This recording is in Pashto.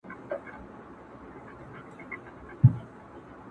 ما یې په خوبونو کي سیندونه وچ لیدلي دي.!